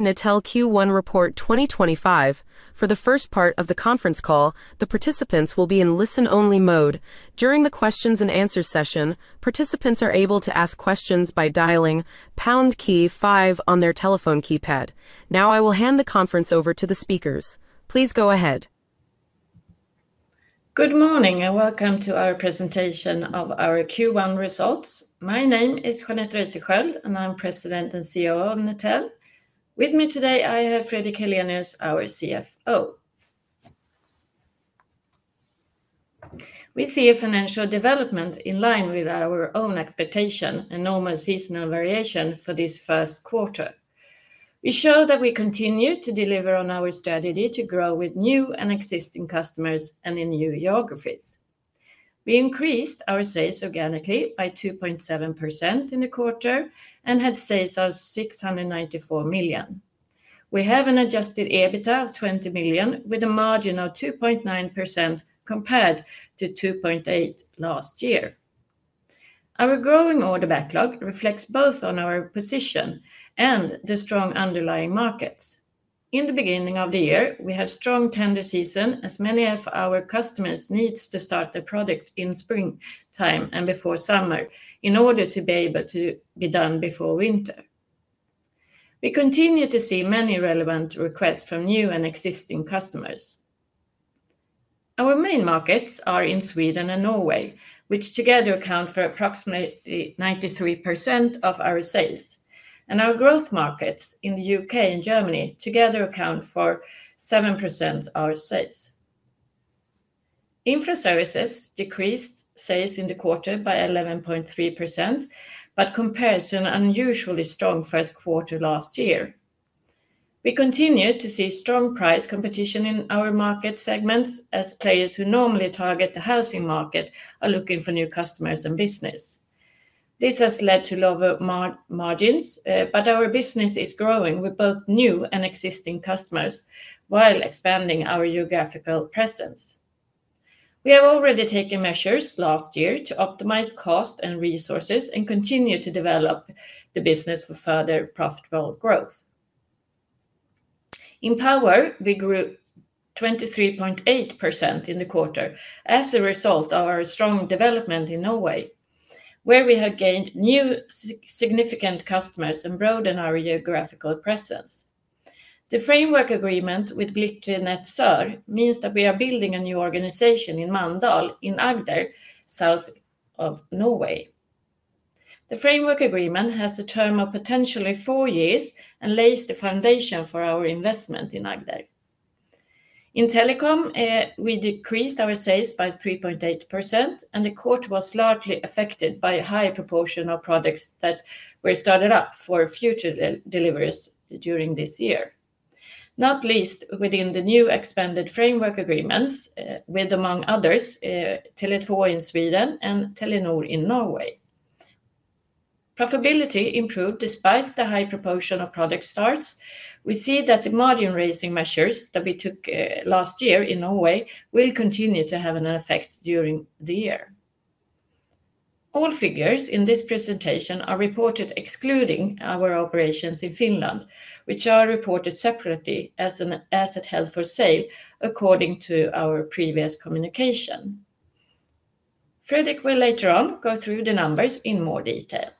The participants will be in listen-only mode. During the Question and Answer session, participants are able to ask questions by dialing pound key 5 on their telephone keypad. Now I will hand the conference over to the speakers. Please go ahead. Good morning and welcome to our presentation of our Q1 results. My name is Jeanette Reuterskiöld, and I'm President and CEO of Netel. With me today, I have Fredrik Helenius, our CFO. We see a financial development in line with our own expectation: a normal seasonal variation for this first quarter. We show that we continue to deliver on our strategy to grow with new and existing customers and in new geographies. We increased our sales organically by 2.7% in the quarter and had sales of 694 million. We have an adjusted EBITDA of 20 million, with a margin of 2.9% compared to 2.8% last year. Our growing order backlog reflects both on our position and the strong underlying markets. In the beginning of the year, we have strong tender season, as many of our customers need to start their product in springtime and before summer in order to be able to be done before winter. We continue to see many relevant requests from new and existing customers. Our main markets are in Sweden and Norway, which together account for approximately 93% of our sales. Our growth markets in the U.K. and Germany together account for 7% of our sales. Infra services decreased sales in the quarter by 11.3%, but compared to an unusually strong first quarter last year. We continue to see strong price competition in our market segments, as players who normally target the housing market are looking for new customers and business. This has led to lower margins, but our business is growing with both new and existing customers while expanding our geographical presence. We have already taken measures last year to optimize cost and resources and continue to develop the business for further profitable growth. In Power, we grew 23.8% in the quarter as a result of our strong development in Norway, where we have gained new significant customers and broadened our geographical presence. The framework agreement with Glitre Nett Sør means that we are building a new organization in Mandal in Agder, south of Norway. The framework agreement has a term of potentially four years and lays the foundation for our investment in Agder. In telecom, we decreased our sales by 3.8%, and the quarter was largely affected by a high proportion of products that were started up for future deliveries during this year. Not least within the new expanded framework agreements, with among others Telia in Sweden and Telenor in Norway. Profitability improved despite the high proportion of product starts. We see that the margin-raising measures that we took last year in Norway will continue to have an effect during the year. All figures in this presentation are reported excluding our operations in Finland, which are reported separately as an asset held for sale, according to our previous communication. Fredrik will later on go through the numbers in more detail.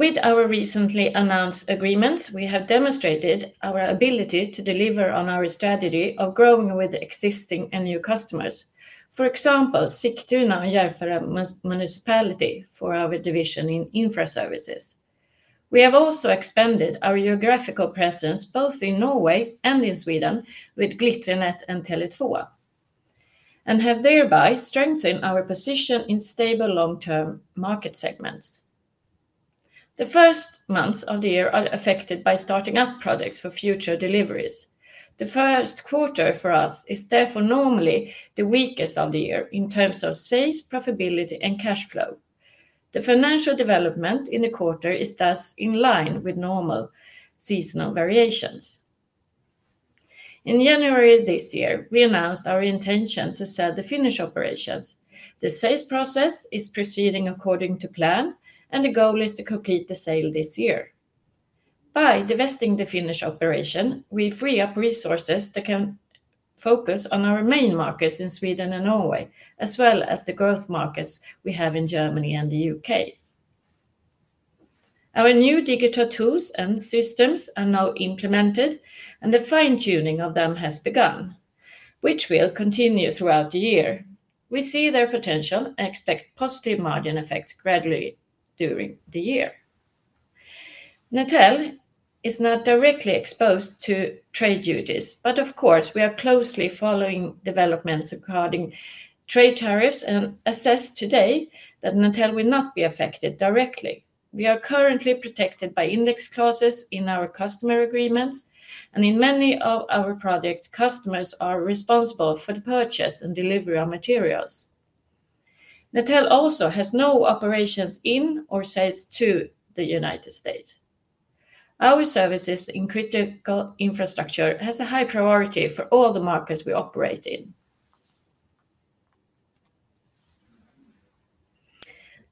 With our recently announced agreements, we have demonstrated our ability to deliver on our strategy of growing with existing and new customers. For example, Sigtuna and Järfälla Municipality for our division in Infra Services. We have also expanded our geographical presence both in Norway and in Sweden with Glitre Nett and Telenor and have thereby strengthened our position in stable long-term market segments. The first months of the year are affected by starting up projects for future deliveries. The first quarter for us is therefore normally the weakest of the year in terms of sales, profitability, and cash flow. The financial development in the quarter is thus in line with normal seasonal variations. In January this year, we announced our intention to sell the finished operations. The sales process is proceeding according to plan, and the goal is to complete the sale this year. By divesting the finished operation, we free up resources that can focus on our main markets in Sweden and Norway, as well as the growth markets we have in Germany and the U.K. Our new digital tools and systems are now implemented, and the fine-tuning of them has begun, which will continue throughout the year. We see their potential and expect positive margin effects gradually during the year. Netel is not directly exposed to trade duties, but of course, we are closely following developments regarding trade tariffs and assess today that Netel will not be affected directly. We are currently protected by index clauses in our customer agreements, and in many of our products, customers are responsible for the purchase and delivery of materials. Netel also has no operations in or sales to the U.S. Our services in critical infrastructure have a high priority for all the markets we operate in.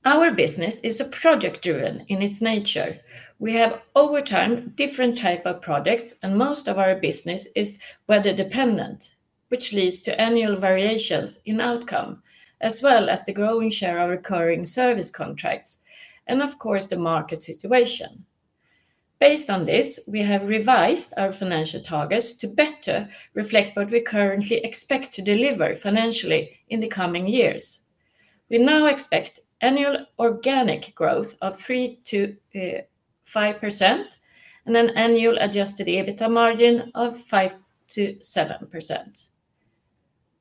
Our business is project-driven in its nature. We have overturned different types of products, and most of our business is weather-dependent, which leads to annual variations in outcome, as well as the growing share of recurring service contracts and, of course, the market situation. Based on this, we have revised our financial targets to better reflect what we currently expect to deliver financially in the coming years. We now expect annual organic growth of 3%-5% and an annual adjusted EBITDA margin of 5%-7%.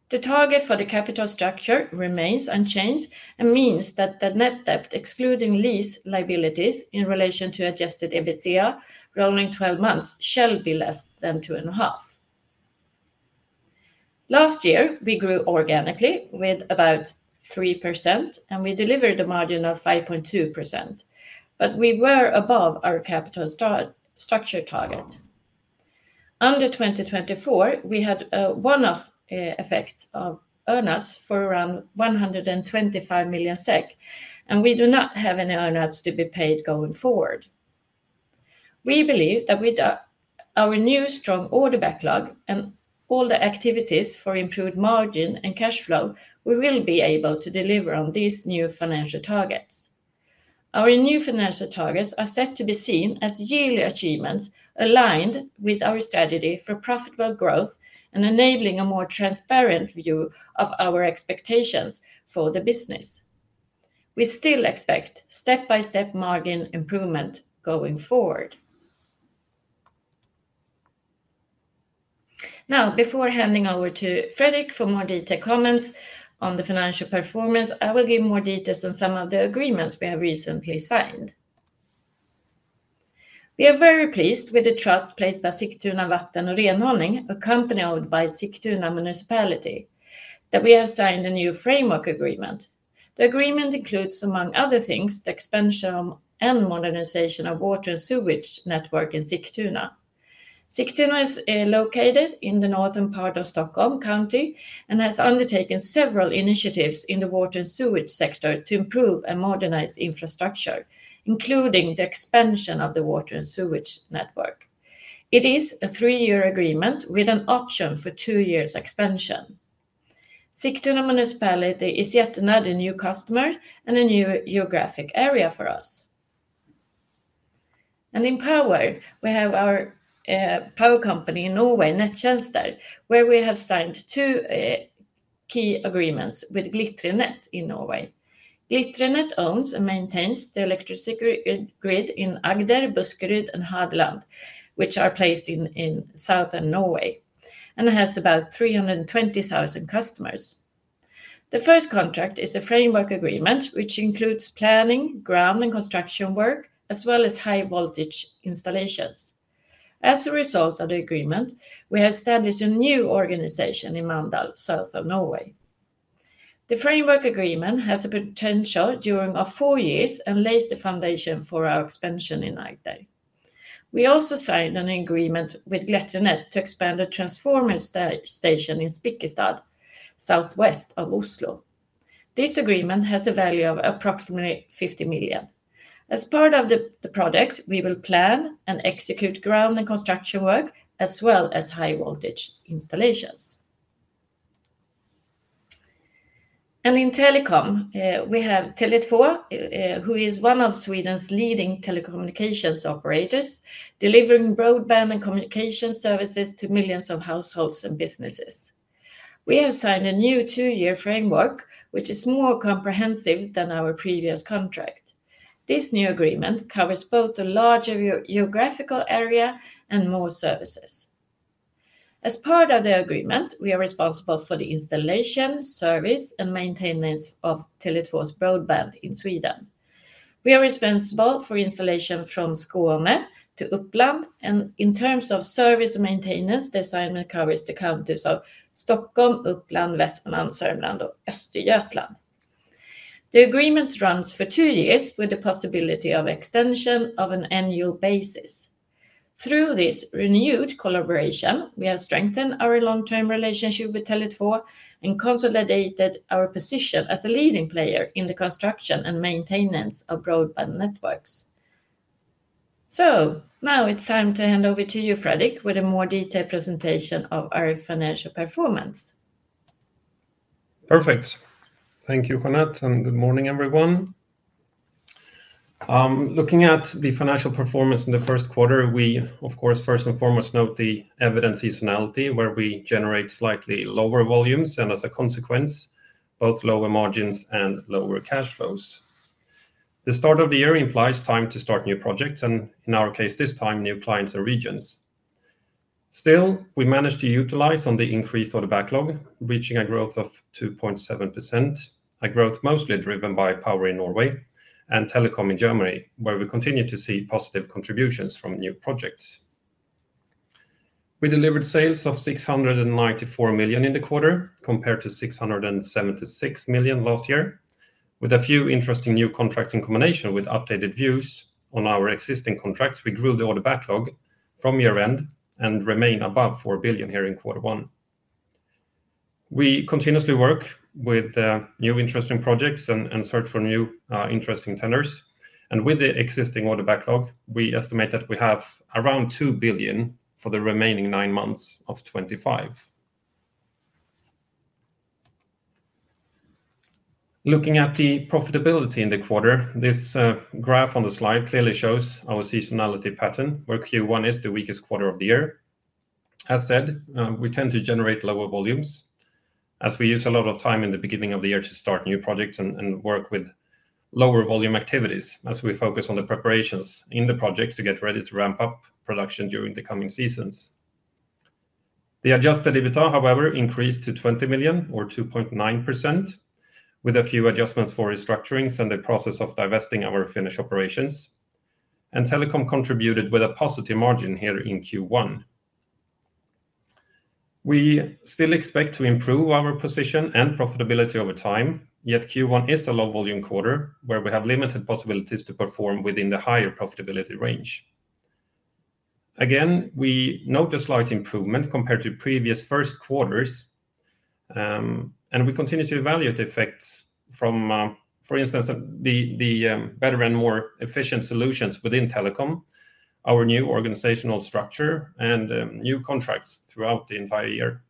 The target for the capital structure remains unchanged and means that the net debt, excluding lease liabilities in relation to adjusted EBITDA rolling 12 months, shall be less than 2.5%. Last year, we grew organically with about 3%, and we delivered a margin of 5.2%, but we were above our capital structure target. Under 2024, we had a one-off effect of earnings for around 125 million SEK, and we do not have any earnings to be paid going forward. We believe that with our new strong order backlog and all the activities for improved margin and cash flow, we will be able to deliver on these new financial targets. Our new financial targets are set to be seen as yearly achievements aligned with our strategy for profitable growth and enabling a more transparent view of our expectations for the business. We still expect step-by-step margin improvement going forward. Now, before handing over to Fredrik for more detailed comments on the financial performance, I will give more details on some of the agreements we have recently signed. We are very pleased with the trust placed by Sigtuna Vatten och Renhållning, a company owned by Sigtuna Municipality, that we have signed a new framework agreement. The agreement includes, among other things, the expansion and modernization of the water and sewage network in Sigtuna. Sigtuna is located in the northern part of Stockholm County and has undertaken several initiatives in the water and sewage sector to improve and modernize infrastructure, including the expansion of the water and sewage network. It is a three-year agreement with an option for two years' expansion. Sigtuna Municipality is yet another new customer and a new geographic area for us. In Power, we have our Power company in Norway, Nett-Tjenester, where we have signed two key agreements with Glitre Nett in Norway. Glitre Nett owns and maintains the electricity grid in Agder, Buskerud, and Hadeland, which are placed in southern Norway, and has about 320,000 customers. The first contract is a framework agreement, which includes planning, ground and construction work, as well as high-voltage installations. As a result of the agreement, we have established a new organization in Mandal, south of Norway. The framework agreement has a potential during four years and lays the foundation for our expansion in Agder. We also signed an agreement with Glitre Nett to expand a transformer station in Spikkestad, southwest of Oslo. This agreement has a value of approximately 50 million. As part of the project, we will plan and execute ground and construction work, as well as high-voltage installations. In Telecom, we have Telia Co, who is one of Sweden's leading Telecommunications operators, delivering broadband and communication services to millions of households and businesses. We have signed a new two-year framework, which is more comprehensive than our previous contract. This new agreement covers both a larger geographical area and more services. As part of the agreement, we are responsible for the installation, service, and maintenance of Telia Co broadband in Sweden. We are responsible for installation from Skåne to Uppland, and in terms of service and maintenance, the assignment covers the counties of Stockholm, Uppland, Västmanland, Sörmland, and Östergötland. The agreement runs for two years with the possibility of extension on an annual basis. Through this renewed collaboration, we have strengthened our long-term relationship with Telia and consolidated our position as a leading player in the construction and maintenance of broadband networks. Now it is time to hand over to you, Fredrik, with a more detailed presentation of our financial performance. Perfect. Thank you, Jeanette, and good morning, everyone. Looking at the financial performance in the first quarter, we, of course, first and foremost note the evident seasonality, where we generate slightly lower volumes and, as a consequence, both lower margins and lower cash flows. The start of the year implies time to start new projects and, in our case, this time, new clients and regions. Still, we managed to utilize on the increased order backlog, reaching a growth of 2.7%, a growth mostly driven by Power in Norway and Telecom in Germany, where we continue to see positive contributions from new projects. We delivered sales of 694 million in the quarter, compared to 676 million last year. With a few interesting new contracts in combination with updated views on our existing contracts, we grew the order backlog from year-end and remain above 4 billion here in quarter one. We continuously work with new interesting projects and search for new interesting tenders. With the existing order backlog, we estimate that we have around 2 billion for the remaining nine months of 2025. Looking at the profitability in the quarter, this graph on the slide clearly shows our seasonality pattern, where Q1 is the weakest quarter of the year. As said, we tend to generate lower volumes as we use a lot of time in the beginning of the year to start new projects and work with lower volume activities as we focus on the preparations in the project to get ready to ramp up production during the coming seasons. The adjusted EBITDA, however, increased to 20 million, or 2.9%, with a few adjustments for restructurings and the process of divesting our finished operations. Telecom contributed with a positive margin here in Q1. We still expect to improve our position and profitability over time, yet Q1 is a low-volume quarter where we have limited possibilities to perform within the higher profitability range. Again, we note a slight improvement compared to previous first quarters, and we continue to evaluate the effects from, for instance, the better and more efficient solutions within Telecom, our new organizational structure, and new contracts throughout the entire year.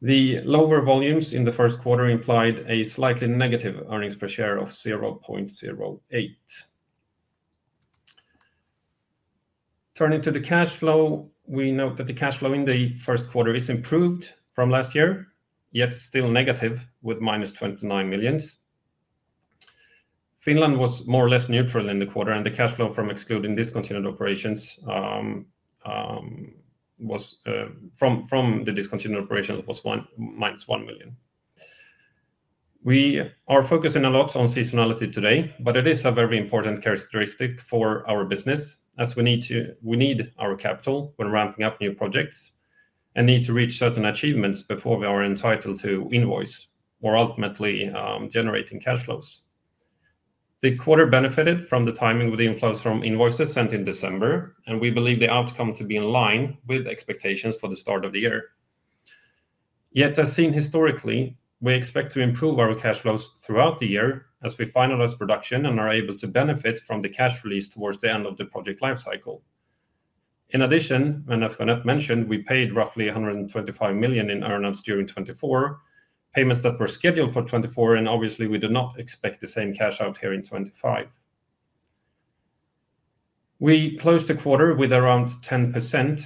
The lower volumes in the first quarter implied a slightly negative earnings per share of 0.08. Turning to the cash flow, we note that the cash flow in the first quarter is improved from last year, yet still negative with -29 million. Finland was more or less neutral in the quarter, and the cash flow from excluding discontinued operations from the discontinued operations was -1 million. We are focusing a lot on seasonality today, but it is a very important characteristic for our business, as we need our capital when ramping up new projects and need to reach certain achievements before we are entitled to invoice or ultimately generating cash flows. The quarter benefited from the timing with the inflows from invoices sent in December, and we believe the outcome to be in line with expectations for the start of the year. Yet, as seen historically, we expect to improve our cash flows throughout the year as we finalize production and are able to benefit from the cash released towards the end of the project lifecycle. In addition, and as Jeanette mentioned, we paid roughly 125 million in earnings during 2024, payments that were scheduled for 2024, and obviously, we do not expect the same cash out here in 2025. We closed the quarter with around 10%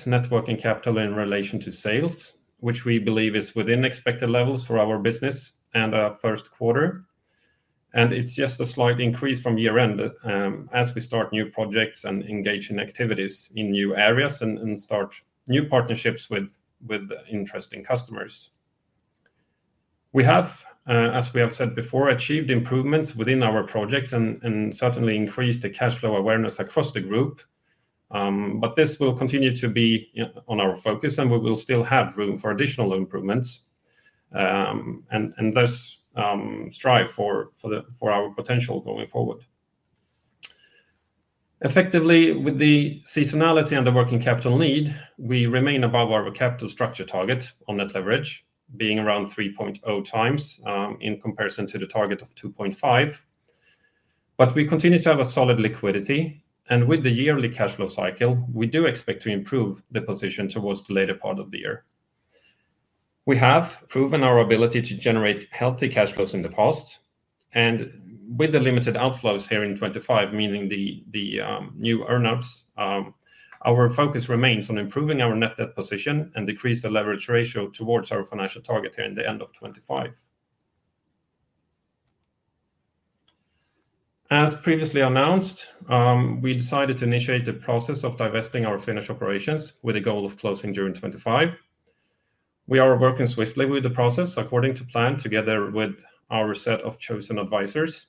networking capital in relation to sales, which we believe is within expected levels for our business and our first quarter. It is just a slight increase from year-end as we start new projects and engage in activities in new areas and start new partnerships with interesting customers. We have, as we have said before, achieved improvements within our projects and certainly increased the cash flow awareness across the group, but this will continue to be on our focus, and we will still have room for additional improvements and thus strive for our potential going forward. Effectively, with the seasonality and the working capital need, we remain above our capital structure target on net leverage, being around 3.0x in comparison to the target of 2.5. We continue to have a solid liquidity, and with the yearly cash flow cycle, we do expect to improve the position towards the later part of the year. We have proven our ability to generate healthy cash flows in the past, and with the limited outflows here in 2025, meaning the new earnings, our focus remains on improving our net debt position and decrease the leverage ratio towards our financial target here in the end of 2025. As previously announced, we decided to initiate the process of divesting our Finnish operations with a goal of closing during 2025. We are working swiftly with the process according to plan together with our set of chosen advisors.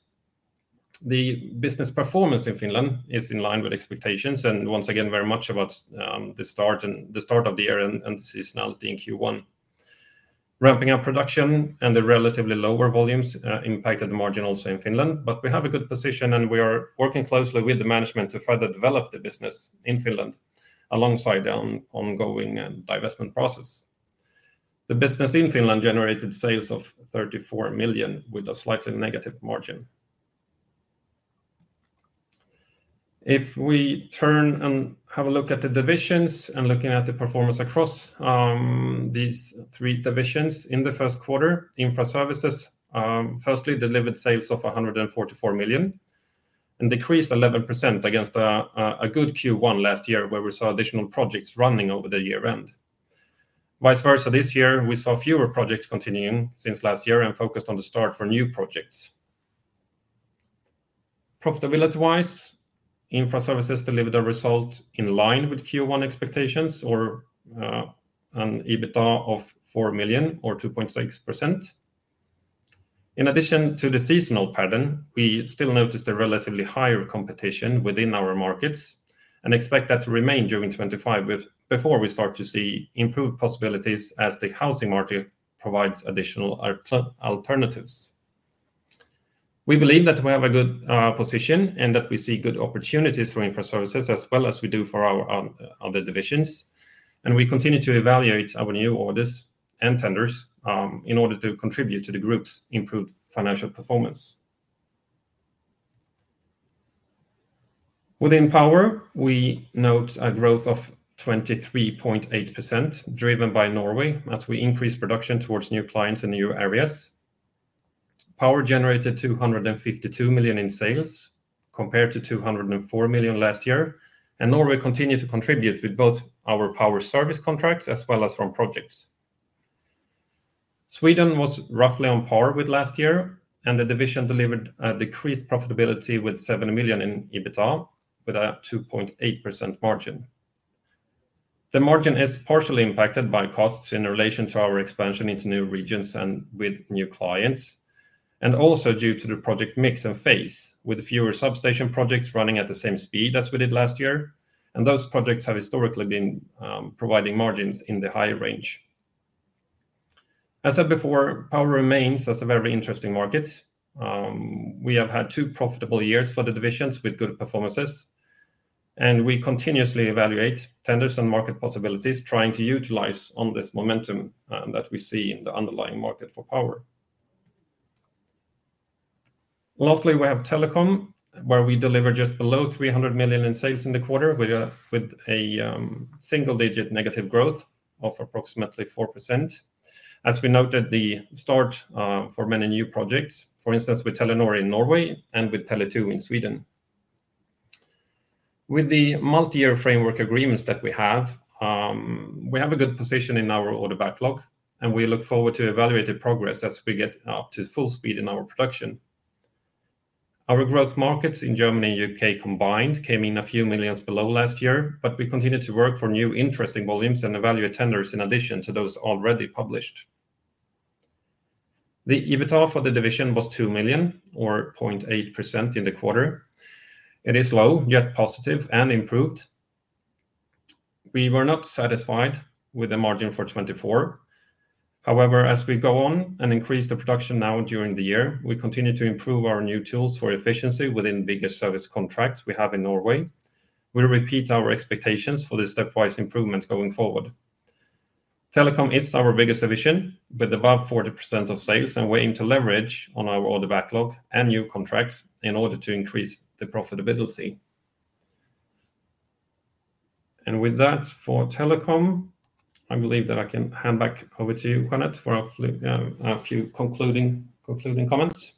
The business performance in Finland is in line with expectations and, once again, very much about the start of the year and the seasonality in Q1. Ramping up production and the relatively lower volumes impacted the margin also in Finland, but we have a good position, and we are working closely with the management to further develop the business in Finland alongside the ongoing divestment process. The business in Finland generated sales of 34 million with a slightly negative margin. If we turn and have a look at the divisions and looking at the performance across these three divisions in the first quarter, Infra Services firstly delivered sales of 144 million and decreased 11% against a good Q1 last year where we saw additional projects running over the year-end. Vice versa, this year, we saw fewer projects continuing since last year and focused on the start for new projects. Profitability-wise, Infra Services delivered a result in line with Q1 expectations or an EBITDA of 4 million or 2.6%. In addition to the seasonal pattern, we still noticed a relatively higher competition within our markets and expect that to remain during 2025 before we start to see improved possibilities as the housing market provides additional alternatives. We believe that we have a good position and that we see good opportunities for Infra Services as well as we do for our other divisions, and we continue to evaluate our new orders and tenders in order to contribute to the group's improved financial performance. Within Power, we note a growth of 23.8% driven by Norway as we increase production towards new clients in new areas. Power generated 252 million in sales compared to 204 million last year, and Norway continued to contribute with both our Power service contracts as well as from projects. Sweden was roughly on par with last year, and the division delivered a decreased profitability with 7 million in EBITDA with a 2.8% margin. The margin is partially impacted by costs in relation to our expansion into new regions and with new clients, and also due to the project mix and phase with fewer substation projects running at the same speed as we did last year, and those projects have historically been providing margins in the high range. As said before, Power remains as a very interesting market. We have had two profitable years for the divisions with good performances, and we continuously evaluate tenders and market possibilities trying to utilize on this momentum that we see in the underlying market for Power. Lastly, we have Telecom, where we delivered just below 300 million in sales in the quarter with a single-digit negative growth of approximately 4%, as we noted the start for many new projects, for instance, with Telenor in Norway and with Telia in Sweden. With the multi-year framework agreements that we have, we have a good position in our order backlog, and we look forward to evaluating progress as we get up to full speed in our production. Our growth markets in Germany and the U.K. combined came in a few millions below last year, but we continue to work for new interesting volumes and evaluate tenders in addition to those already published. The EBITDA for the division was 2 million, or 0.8% in the quarter. It is low, yet positive and improved. We were not satisfied with the margin for 2024. However, as we go on and increase the production now during the year, we continue to improve our new tools for efficiency within the biggest service contracts we have in Norway. We repeat our expectations for the stepwise improvement going forward. Telecom is our biggest division with above 40% of sales, and we aim to leverage on our order backlog and new contracts in order to increase the profitability. For Telecom, I believe that I can hand back over to you, Jeanette, for a few concluding comments.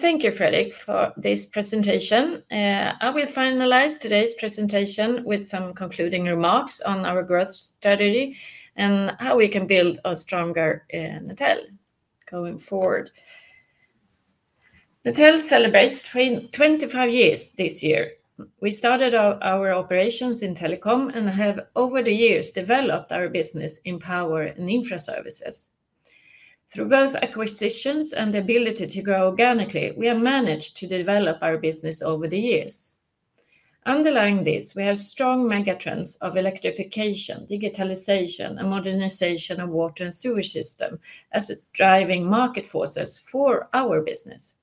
Thank you, Fredrik, for this presentation. I will finalize today's presentation with some concluding remarks on our growth strategy and how we can build a stronger Netel going forward. Netel celebrates 25 years this year. We started our operations in Telecom and have over the years developed our business in Power and Infra Services. Through both acquisitions and the ability to grow organically, we have managed to develop our business over the years. Underlying this, we have strong megatrends of electrification, digitalization, and modernization of water and sewer systems as driving market forces for our business.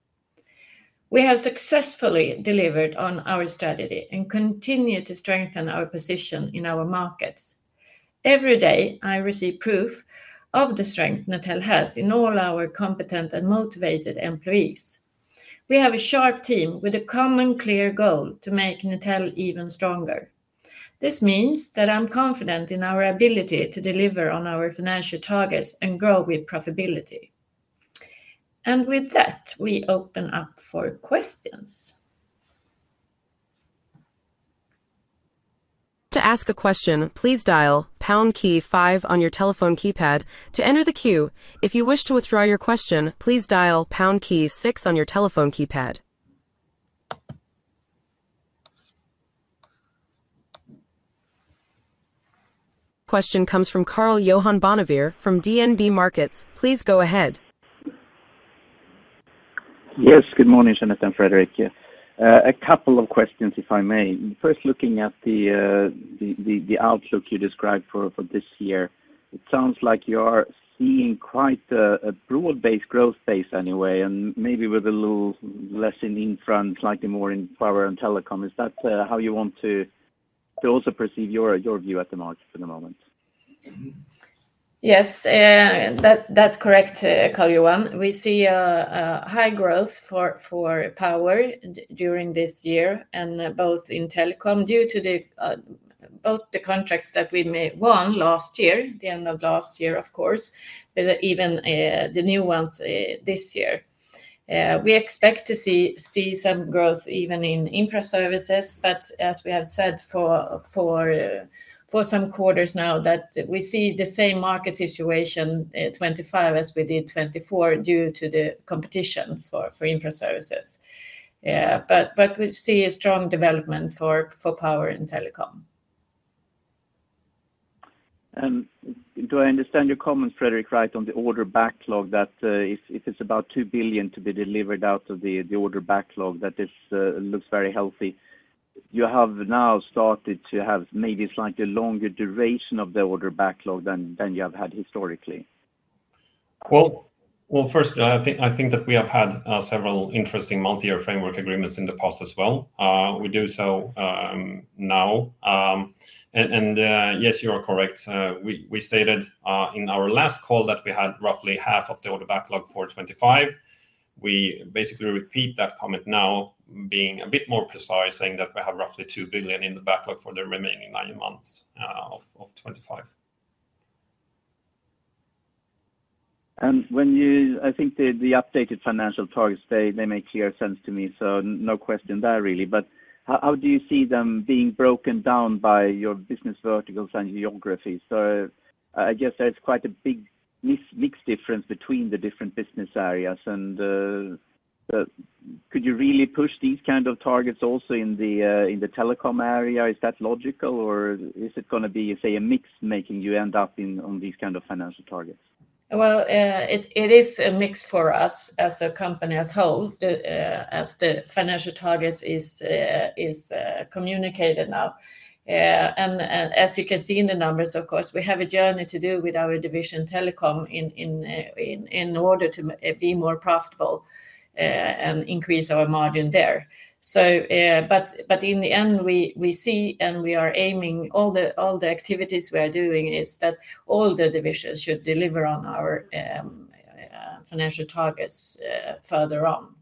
We have successfully delivered on our strategy and continue to strengthen our position in our markets. Every day, I receive proof of the strength Netel has in all our competent and motivated employees. We have a sharp team with a common clear goal to make Netel even stronger. This means that I'm confident in our ability to deliver on our financial targets and grow with profitability. With that, we open up for questions. To ask a question, please dial pound key five on your telephone keypad to enter the queue. If you wish to withdraw your question, please dial pound key six on your telephone keypad. Question comes from Karl Johan Bonnevier from DNB Markets. Please go ahead. Yes, good morning, Jeanette and Fredrik. A couple of questions, if I may. First, looking at the outlook you described for this year, it sounds like you are seeing quite a broad-based growth phase anyway, and maybe with a little less in Infra Services, slightly more in Power and Telecom. Is that how you want to also perceive your view at the market for the moment? Yes, that's correct, Karl Johan. We see a high growth for Power during this year and both in Telecom due to both the contracts that we won last year, the end of last year, of course, but even the new ones this year. We expect to see some growth even in Infra Services, as we have said for some quarters now that we see the same market situation 2025 as we did 2024 due to the competition for Infra Services. We see a strong development for Power and Telecom. Do I understand your comments, Fredrik, right on the order backlog, that if it is about 2 billion to be delivered out of the order backlog, that this looks very healthy? You have now started to have maybe a slightly longer duration of the order backlog than you have had historically. I think that we have had several interesting multi-year framework agreements in the past as well. We do so now. Yes, you are correct. We stated in our last call that we had roughly half of the order backlog for 2025. We basically repeat that comment now, being a bit more precise, saying that we have roughly 2 billion in the backlog for the remaining nine months of 2025. I think the updated financial targets, they make clear sense to me, so no question there really. How do you see them being broken down by your business verticals and geographies? I guess there's quite a big mixed difference between the different business areas. Could you really push these kinds of targets also in the Telecom area? Is that logical, or is it going to be, say, a mix making you end up on these kinds of financial targets? It is a mix for us as a company as a whole as the financial targets is communicated now. As you can see in the numbers, of course, we have a journey to do with our division Telecom in order to be more profitable and increase our margin there. In the end, we see and we are aiming all the activities we are doing is that all the divisions should deliver on our financial targets further on.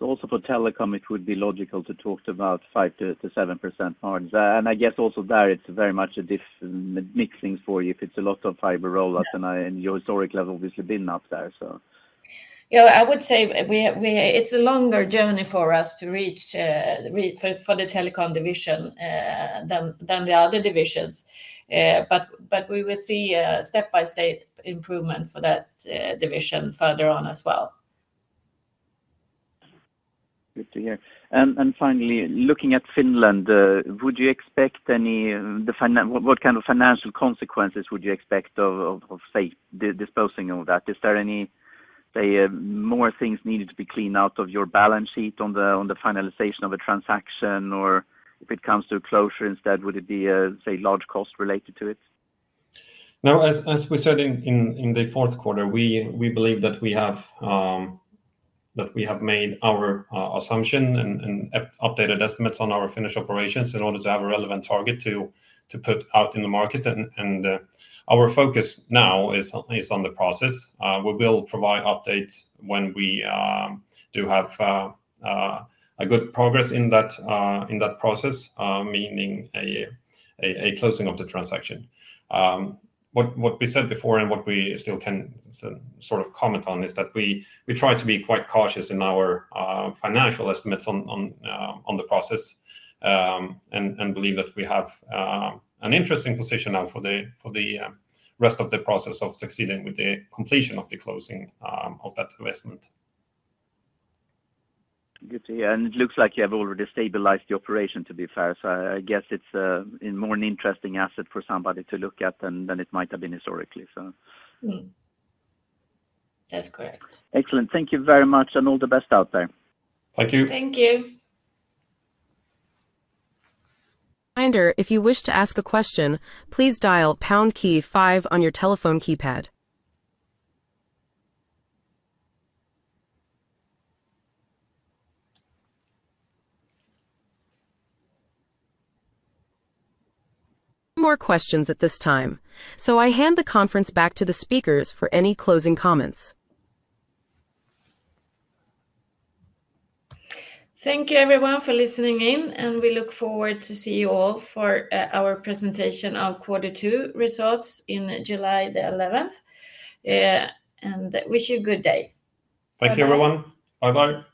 Also for telecom, it would be logical to talk about 5%-7% margin. I guess also there it is very much a mix for you if it is a lot of fiber rollout and your historic level obviously been up there, so. Yeah, I would say it's a longer journey for us to reach for the Telecom division than the other divisions. We will see a step-by-step improvement for that division further on as well. Good to hear. Finally, looking at Finland, would you expect any, what kind of financial consequences would you expect of disposing of that? Is there any, say, more things needed to be cleaned out of your balance sheet on the finalization of a transaction, or if it comes to a closure instead, would it be, say, large costs related to it? No, as we said in the fourth quarter, we believe that we have made our assumption and updated estimates on our finished operations in order to have a relevant target to put out in the market. Our focus now is on the process. We will provide updates when we do have good progress in that process, meaning a closing of the transaction. What we said before and what we still can sort of comment on is that we try to be quite cautious in our financial estimates on the process and believe that we have an interesting position now for the rest of the process of succeeding with the completion of the closing of that investment. Good to hear. It looks like you have already stabilized the operation, to be fair. I guess it's more an interesting asset for somebody to look at than it might have been historically. That's correct. Excellent. Thank you very much and all the best out there. Thank you. Thank you. Reminder, if you wish to ask a question, please dial pound key five on your telephone keypad. No more questions at this time. I hand the conference back to the speakers for any closing comments. Thank you, everyone, for listening in, and we look forward to seeing you all for our presentation on quarter two results on July 11. We wish you a good day. Thank you, everyone. Bye-bye.